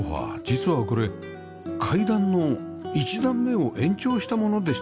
実はこれ階段の１段目を延長したものでした